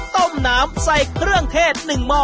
ต้มน้ำใส่เครื่องเทศ๑หม้อ